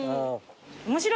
面白いね。